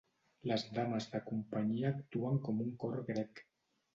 Les dames de companyia actuen com un cor grec.